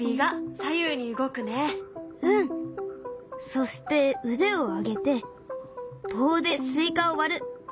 そして腕を上げて棒でスイカを割る。